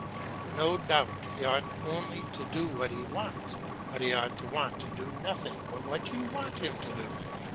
No doubt he ought only to do what he wants, but he ought to want to do nothing but what you want him to do.